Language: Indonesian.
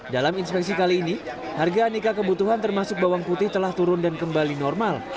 dalam inspeksi kali ini harga aneka kebutuhan termasuk bawang putih telah turun dan kembali normal